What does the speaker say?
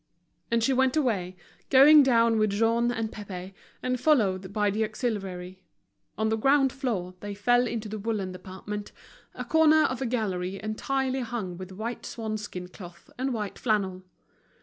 And she went away, going down with Jean and Pépé, and followed by the auxiliary. On the ground floor, they fell into the woollen department, a corner of a gallery entirely hung with white swanskin cloth and white flannel.